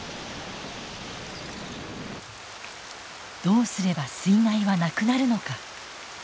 どうすれば水害はなくなるのか？